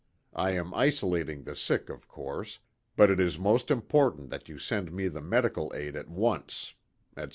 I am isolating the sick, of course, but it is most important that you send me the medical aid at once," etc.